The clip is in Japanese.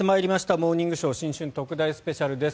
「モーニングショー新春特大スペシャル」です。